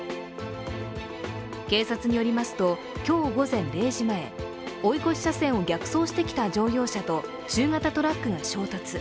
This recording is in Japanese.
警察によりますと、今日午前０時前追い越し車線を逆走してきた乗用車と中型トラックが衝突。